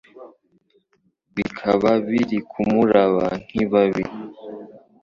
Bikaba biri kumuraba nkibabi .